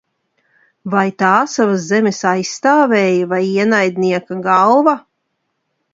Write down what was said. Vai tā savas zemes aizstāvēja, vai ienaidnieka galva?